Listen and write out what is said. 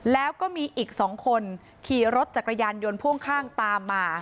แล้วก็มีอีก๒คนขี่รถจักรยานยนต์พ่วงข้างตามมา